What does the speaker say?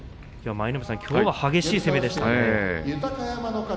舞の海さん、きょうは激しい攻めでしたね。